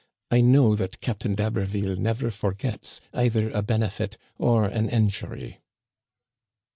I know that Captain d'Haberville never forgets either a benefit or an injury."